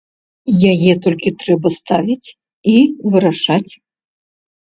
Яе толькі трэба ставіць і вырашаць.